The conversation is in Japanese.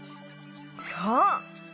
そう！